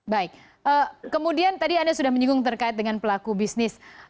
baik kemudian tadi anda sudah menyinggung terkait dengan pelaku bisnis